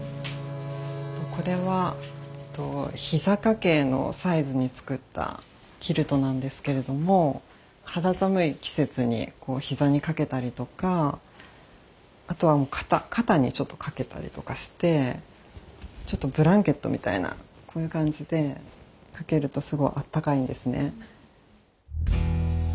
これは膝掛けのサイズに作ったキルトなんですけれども肌寒い季節にこう膝に掛けたりとか後は肩肩にちょっと掛けたりとかしてちょっとブランケットみたいなこういう感じで掛けるとすごいあったかいんですね。